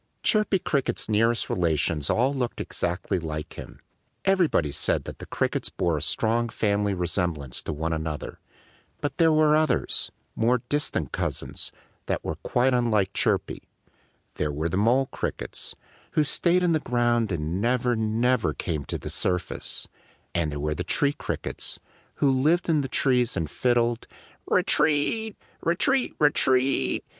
Chirpy Cricket's nearest relations all looked exactly like him. Everybody said that the Crickets bore a strong family resemblance to one another. But there were others more distant cousins that were quite unlike Chirpy. There were the Mole Crickets, who stayed in the ground and never, never came to the surface; and there were the Tree Crickets, who lived in the trees and fiddled _re teat! re teat re teat!